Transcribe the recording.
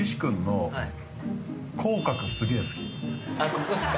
ここっすか？